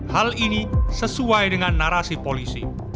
hal ini sesuai dengan narasi polisi